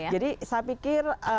jadi saya pikir